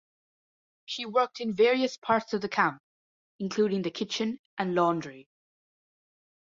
She worked in various parts of the camp, including the kitchen and laundry.